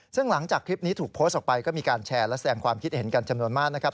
ซึ่งหลังจากคลิปนี้ถูกโพสต์ออกไปก็มีการแชร์และแสดงความคิดเห็นกันจำนวนมากนะครับ